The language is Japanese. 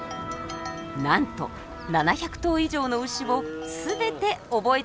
なんと７００頭以上の牛を全て覚えているというのです。